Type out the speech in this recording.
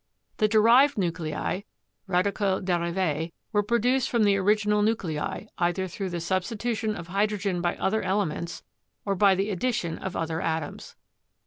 The derived nuclei ("radicaux derives") were produced from the original nuclei, either through the substitution of hydrogen by other elements or by the addition of other atoms.